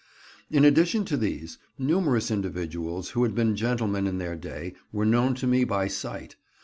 In addition to these, numerous individuals who had been gentlemen in their day were known to me by sight.